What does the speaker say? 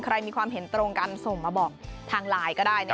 มีความเห็นตรงกันส่งมาบอกทางไลน์ก็ได้